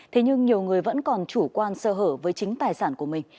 thế nhưng nhiều người vẫn còn chủ quan sơ hở với chính tài sản của mình